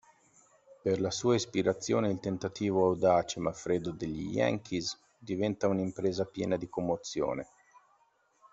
Per la sua ispirazione il tentativo audace ma freddo degli Yankees diventa un'impresa piena di commozione.